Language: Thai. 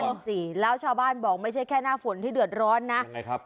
สิแล้วชาวบ้านบอกไม่ใช่แค่หน้าฝนที่เดือดร้อนนะยังไงครับ